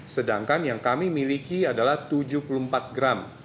sedangkan yang kami miliki adalah tujuh puluh empat gram